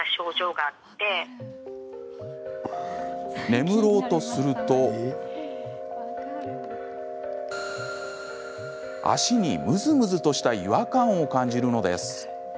眠ろうとすると脚にムズムズとした違和感を感じるのです。